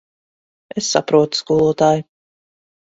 Es saprotu, skolotāj.